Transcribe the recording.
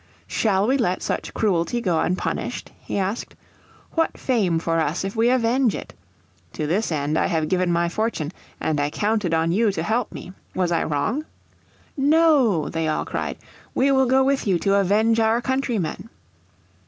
"Shall we let such cruelty go unpunished?" he asked. "What fame for us if we avenge it! To this end I have given my fortune, and I counted on you to help me. Was I wrong?" "No," they all cried, "we will go with you to avenge our countrymen!"